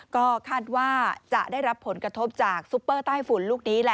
ก็คาดว่าจะได้รับผลกระทบจากซุปเปอร์ใต้ฝุ่นลูกนี้แหละ